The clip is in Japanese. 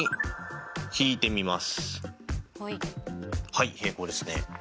はい平行ですね。